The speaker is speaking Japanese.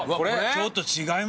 ちょっと違いますね。